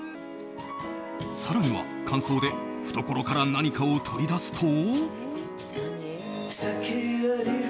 更には、間奏で懐から何かを取り出すと。